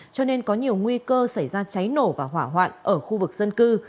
cho nên có nhiều nguy cơ xảy ra cháy nổ và hỏa hoạn ở khu vực dân cư